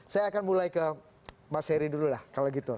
saya akan mulai ke mas heri dulu lah kalau gitu